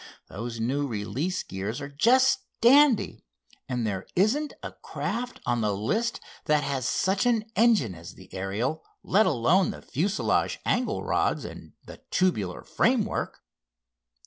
Those new release gears are just dandy, and there isn't a craft on the list that has such an engine as the Ariel, let alone the fuselage angle rods and the tubular framework."